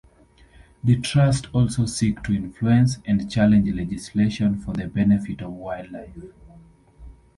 The trust also seek to influence and challenge legislation for the benefit of wildlife.